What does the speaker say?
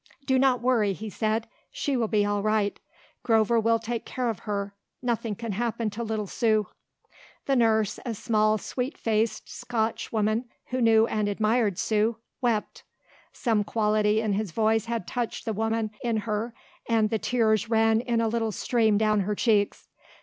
"Do not worry," he said. "She will be all right. Grover will take care of her. Nothing can happen to little Sue." The nurse, a small, sweet faced, Scotch woman, who knew and admired Sue, wept. Some quality in his voice had touched the woman in her and the tears ran in a little stream down her cheeks.